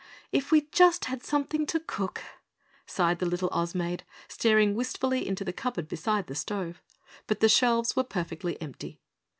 "If we just had something to cook," sighed the little Oz maid, staring wistfully into the cupboard beside the stove. But the shelves were perfectly empty.